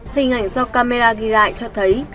hình ảnh do camera ghi lại cho thấy